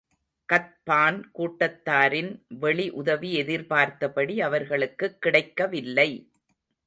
கத்பான் கூட்டத்தாரின் வெளி உதவி எதிர்பார்த்தபடி அவர்களுக்குக் கிடைக்கவில்லை.